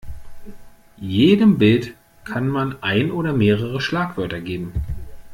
Jedem Bild kann man ein oder mehrere Schlagwörter geben.